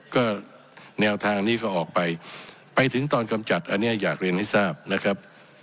ก็แนวทางนี้ก็ออกไปไปถึงตอนกำจัดอันนี้อยากเรียนให้ทราบนะครับ